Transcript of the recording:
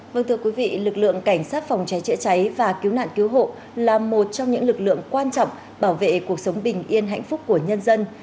vâng thưa quý vị lực lượng cảnh sát phòng cháy chữa cháy và cứu nạn cứu hộ là một trong những lực lượng quan trọng bảo vệ cuộc sống bình yên hạnh phúc của nhân dân